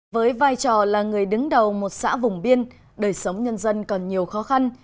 với vai trò là người đứng đầu một xã vùng biên đời sống nhân dân còn nhiều khó khăn